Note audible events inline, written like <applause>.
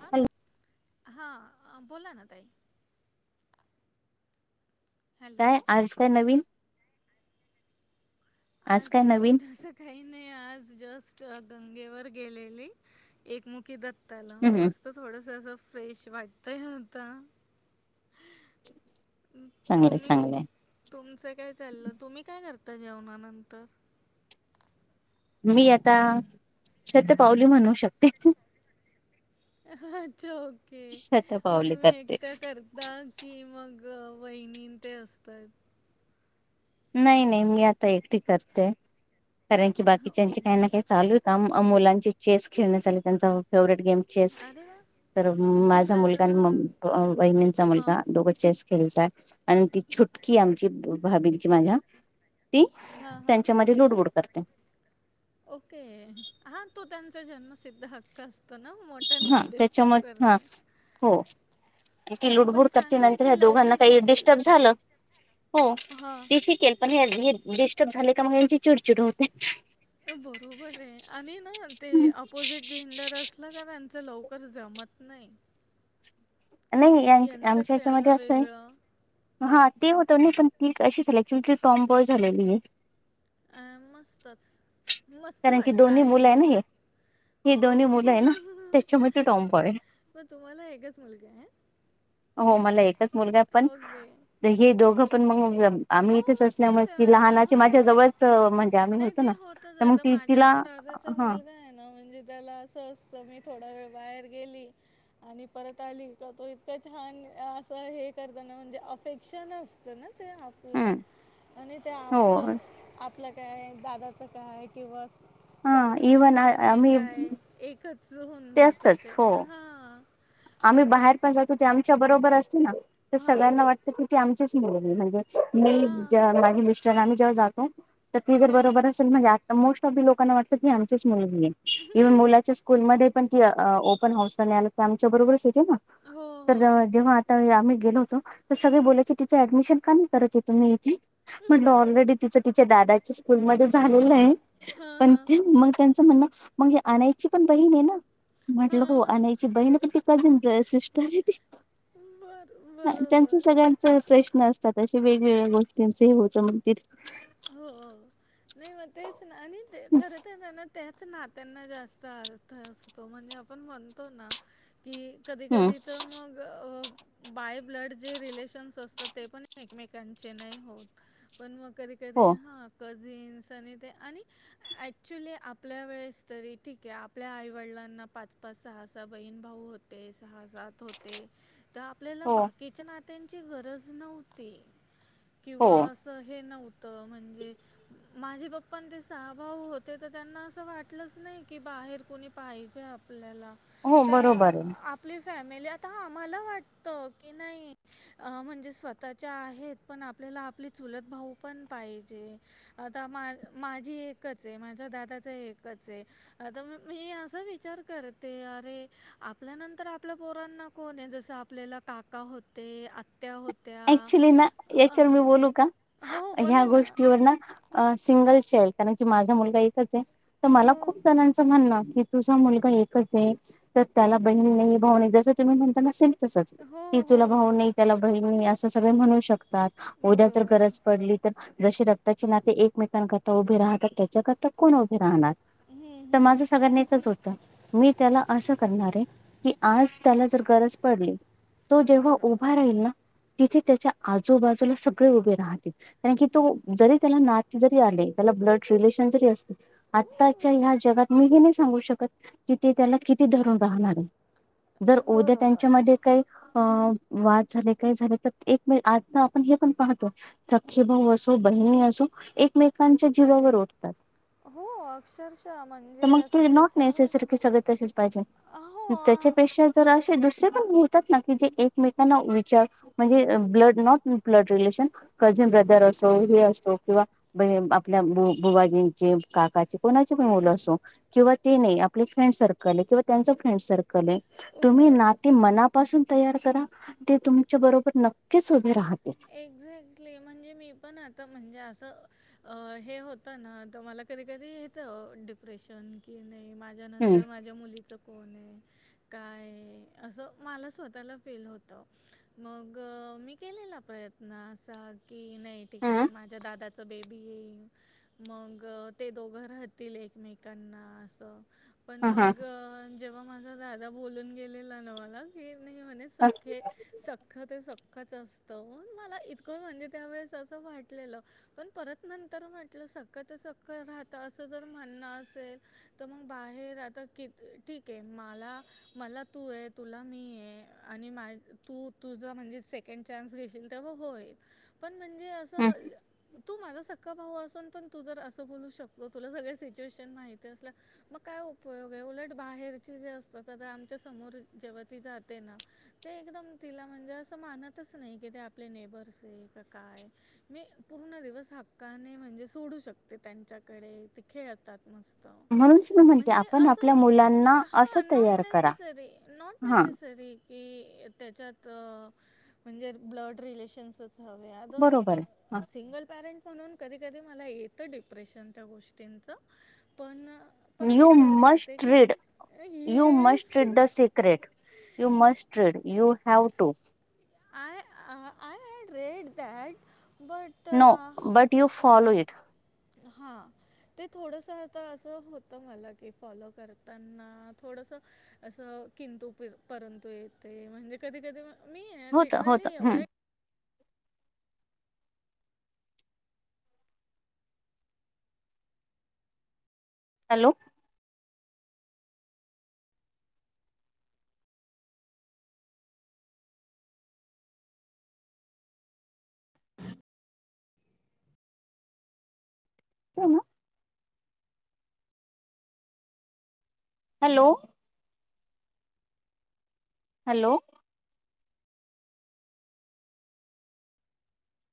हा हॅलो ता, हा आ बोला ना ताई. काय हॅलो आज काय नवीन? आज नवीन ड असं काही नाही, आज जस् गंगेवर गेलेली एकमुखी दत्ताला हम्म मस्त थोडस असं. फ्रेश वाटतंय आता. चांगलंय तुम्ही, चांगलंय तुमचं काय चाललं? तुम्ही काय कर ता जेवणानंतर? मी आता शपावली म्हणू शकते. अच्छा ओके मग शतपावली तुम्ही करते एकटं करता की मग. ग वहिनी अन् ते असतात. नाही नाही मी आता एकटी करते, कारण की बाकीच्याचे काही ना ओके काही चालूय काम. मुलांचे चेस खेळण्यात आली त्यांचा फेवरेट गेम चेस अरे वा तर माझा अरे मुलगा आणि वा म वहिणींचा हां मुलगा दोघं चेस खेळताय. आणि ती छुटकी आमची, भाबिंची माझ्या ती हां हां त्यांच्यामध्ये लुडबुड करते. ओके हा तो त्यांचा जन्म सिद्ध हक्क असतो. तो ना मोटर हा डिस्टर्ब कर. त्याच्यामध्ये हा हो ती लुडबुड करते, नंतर ह्या दोघांना काही शिकेल डिस्टर्ब झालं हो हां ते ठीकये, पण हे हे डिस्टर्ब झाले का मग? यांची चिडचिड होते. बरोबर आहे आणि ना ते आपोजिट जेंडर असलं का त्यांच लवकर जम मत् नाही. नाही यां यांचं आमच्या ह्याच्यामध्ये खेळणं आसं हाय, वेगळं हा ते होतं नाही पण ती कशी झाली? ॲक्च्युली ती टॉम्ब बॉय झालेलीए. अ मस्तच मस्त कारण की वाटतं दोन्ही मुलं हाये ना ऐकायला हे. ही हो दोन्ही मुलं आहे ना, त्याच्यामध्ये टॉम बॉय मग तुम्हाला एकच मुलगा आहे. हो मला एकच मुलगा पण, ओके हे दोघं पण मग हो आम्ही इथेच मग असल्यामुळे तेच आहे की ना लहानाची माझ्या हां जवळच म्हणजे आम्ही नाही होतो ते ना होतच तर मग आता त माझ्या तिला पण दादाचा हा मुलगा आहे ना म्हणजे त्याला असं असतं मी थोडा वेळ बाहेर गेली आणि परत आली का तो इतकं छान असं हे करतना म्हणजे अपेशन नसतनाते. हम्म आपलं आणि त्या हो आपलं, आपलं काय आहे दादाचं काय आहे किंवा हा सासरी इव्हन पुतणे आम्ही काय एकच होऊन ते जात ते असतच हो हा. आम्ही बाहेर पण जातो, ते आमच्या बरोबर असते ना, तर हां सगळ्यांना वाटतं की ती, आमचीच मुलगि आहे म्हणजे मी हां माझे मिस्टरम जेव्हा जातो तर ती जर हो बरोबर असेल म्हणजे. म मोस्ट ऑफ दी लोकांना वाटत की आमचीच मुली आहे इव्हन मुलाच्या स्कूलमध्ये पण ती ओपन हाऊस आणि ती आमच्या बरोबरच येते ना. हो तर हो जेव्हा जेव्हा आता आम्ही गेलो होतो सगळे बोलायचे तीच अडमिशन का नाही करत आहे तुम्ही इथे म्हटलं आलरेडी तिचं दा दादाच्या स्कूल मधेच झालेलं आहे. हां पण हां मग त्यांच म्हणण मग आनयची पण बहीण आहे ना. म्हटलं हो हां ह्याची बहीण. <unintelligible> त्यांचा बर बरोबर सगळ्यांचा प्रश्न असत. अश्या वेगवेगळ्या गोष्टींच हे होतं. मग ते हो हो. नाही मग तेच ना आणि ते खर तर ना त्याच नात्यांना जास्त अर्थ असतो. म म्हणजे आपण म्हणतो ना.. की कधी हम्म कधी तर मग बाय ब्लड जे रिलेशन असतात. ते पण एकमेकांचे नाही होत पण मग कधी हो. ह जीन्स आणि ते आणि ॲक्च्युली आपल्या वेळेस तरी ठीक आहे. आपल्या आईवडिलांना पाच, पाच सहा, सहा बहीण भाऊ होते. सहा, सात होते. तर आपल्याला हो बाकीच्या नात्यांची गरज नव्हती. हो किंवा असं हे नव्हत. म्हणजे माझे पप्पा ते सहा भाऊ होते. तर त्यांना असं वाटलंच नाही की बा बाहेर कोणी पाहिजे आपल्याला. हो त्या बरोबर आहे. आपली फॅमिली आता आम्हाला वाटत की नाही अ म्हणजे स्वतःच्या आहेत, पण आपल्याला आपली चुलत भाऊ पण पाहिजे, आता मा माझी एकचये. माझ्या दादाच एकचये. आता मग मी असा विचार करते, अरे आपल्या नंतर आपल्या पोरांना कोणये? जसं आपल्याला काका होते, आत्या होत अक्चुली ना याच्यावर मी बोलू का? हो ह्या बोला ना गोष्टीवर ना अ सिंग <unintelligible> कारण की माझा मुलगा एकचये, तर मला हो खूप जणांच म्हणन की, तुझा मुलगा एकच आहे. तर त्याला बहिण नाही, भाऊ नाही. जस तुम्ही म्हणता ना सेम तसच हो की तुला हो भाऊ नाही, त्याला बहीण असं सगळे म्हणू शक <unintelligible> उद्या जर बरोबर गरज पडली तर? जशी रक्ताचे नाते एकमेकांकरता उभे राहतात, त्याच्याकरता कोण उभे राहणार? हम्म, त हम्म. माझं सगळ्यांना एकच होत, मी त्याला असं करणारे की आज त्याला जर गरज पडली, तो जेव्हा उभा बरोबर राहील ना तिथे त्याच्या आजूबाजूला सगळे उभे राहतील, कारण की तो जरी त्याला नाते जरी आले त ब्लड रिलेशन जरी असले, आताच्या ह्या जगात मी हे नाही सांगू शकत की ते त्याला किती धरून राहणारये जर उद्या बरोबर त्यांच्या मध्ये काही अ वाद झाले काय झाले <unintelligible> आता आपण हे पण पाहतो सखे भाऊ असो, बहिणी असो एकमेकांच्या जी वावर उट <inaudible> अक्षरशः तर म्हणजे मग ते असा विचार <unintelligible> कि सगळे तसेच पाहिजे. हो त्याच्यापेक्षा जर असे दुसरे पण होतात ना, की जे एकमेकांना विचार म्हणजे <unintelligible> असो हे असो किंवा बही आपल्या आ बु बूवाजींचे, काका ते कोणाचेही मूल हम्म. असो किंवा ते नाही आपले फ्रेंड सर्कल किंवा त्यांचं फ्रेंड सर्कल असो कणे तुम्ही हो नाती मनापासून तयार करा ते तुमच्या बरोब पण नक्कीच उभे राहत <unintelligible> म्हणजे मी पण आता म्हणजे असं अ हे होत ना, तर मला कधी कधीेत येत डिप्रेशन कि नाही की माझ्या हम्म नंतर माझ्या मुलीचं कोणये? काय असं मला स्वतःला फील होत मग मी केलेला प्रयत्न असा की नाही ठीकये, हम्म माझ्या दादाचं बेबी येईन. मंग ते दोघं राहतील, एकमेकांना असं. पण ह मग जेव्हा माझा दादा बोलून गेलेला ना, मला की नाही म्हणे सख्खे सख्ख ते सख्खच असत ना ला इतक म्हणजे त्यावेळेस अस वाटलेलं पण परत नंतर म्हटलं सख्य ते सख्ख राह त असं जर म्हणणं असेल, त मग बाहेर आता की ठीकये माला मला तू ये, तुला मी ये आणि माय तू तुझं म्हणजे सेकेंड चान्स घेशील तेव्हा होईल, पण म्हणजे ह असं तू माझा सख्खा भाऊ असून पण तू जर असं बोलू शकतो, तुला सगळं सिच्युएशन माहिती असल्या, मग काय उपयोगये उलट बाहेरचे जे असतं ते आता आमच्या समोर जेव्हा ती जाते ना ते एकदम तिला म्हणजे, असं मानत तच नाही की ते आपले नेबर्सये का काय मी पूर्ण दिवस हक्काने म्हणजे सोडू शकते, त्यांच्याकडे ते खेळतात मस्त म्हणूनच मी म्हणते म्हणजे आपण असं आपल्या मुलांना हा असं तयार करा हा <unintelligible> सरी की त्याच्यात अ म्हणजे ब्लड रिलेशन्स झालय आता बरोबर आहे <unintelligible> म्हणून कधी कधी मला येतं डिप्रेशन त्या गोष्टींचं, पण परत विचार करते की येस <unintelligible> <unintelligible> <unintelligible> <unintelligible> हा ते थोडस आता असं होतं मला की फॉलो करताना थोडस असं किंतु परंतु येते म्हणजे कधी कधी मी होत होत लिटरली एवढे हम्म हॅलो हो ना हॅलो हॅलो